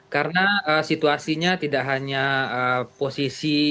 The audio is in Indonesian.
karena situasinya tidak hanya posisi perusahaan